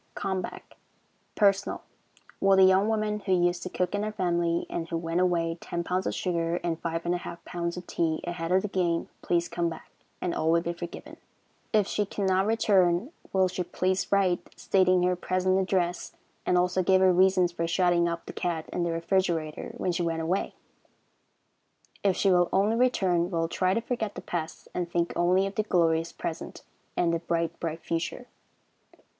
Come Back. Personal. Will the young woman who used to cook in our family, and who went away ten pounds of sugar and five and a half pounds of tea ahead of the game, please come back, and all will be forgiven. If she cannot return, will she please write, stating her present address, and also give her reasons for shutting up the cat in the refrigerator when she went away? If she will only return, we will try to forget the past, and think only of the glorious present and the bright, bright future.